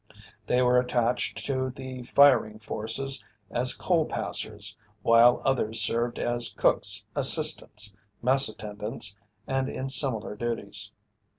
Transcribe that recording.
They were attached to the firing forces as coal passers, while others served as cooks assistants, mess attendants and in similar duties.